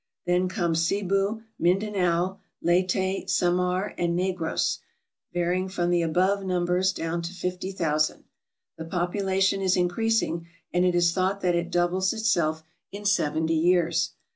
Then come Zebu, Mindanao, Leyte, Samar, and Negros, varying from the above numbers down to 50,000. The population is increasing, and it is thought that it doubles itself in seventy years.